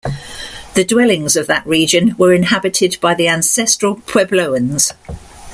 The dwellings of that region were inhabited by the Ancestral Puebloans.